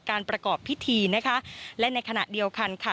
ประกอบพิธีนะคะและในขณะเดียวกันค่ะ